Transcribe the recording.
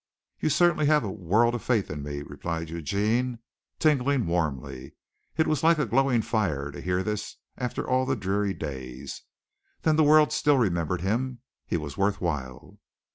"You certainly have a world of faith in me," replied Eugene, tingling warmly. It was like a glowing fire to hear this after all the dreary days. Then the world still remembered him. He was worth while.